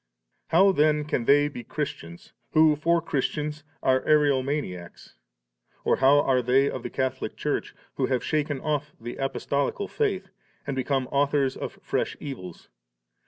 4. How then can they be Christians, who for Christians are Ario maniacs 3 ? or how are they of the Catholic Church, who have shaken off the Apostolical faith, and become authors of fresh evils